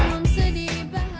senyum sedih bahagia